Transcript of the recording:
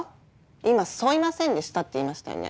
今「そいませんでした」って言いましたよね？